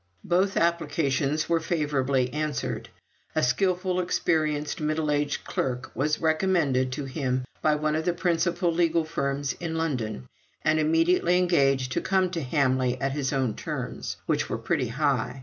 Both applications were favorably answered. A skilful, experienced, middle aged clerk was recommended to him by one of the principal legal firms in London, and immediately engaged to come to Hamley at his own terms; which were pretty high.